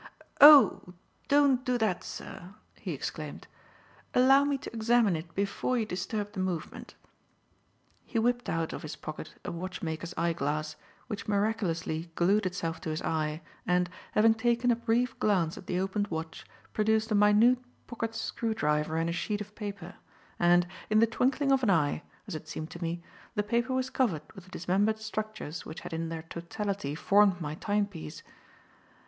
"Oh, don't do that, sir!" he exclaimed. "Allow me to examine it before you disturb the movement." He whipped out of his pocket a watchmaker's eyeglass, which miraculously glued itself to his eye, and, having taken a brief glance at the opened watch, produced a minute pocket screw driver and a sheet of paper; and, in the twinkling of an eye, as it seemed to me, the paper was covered with the dismembered structures which had in their totality formed my timepiece.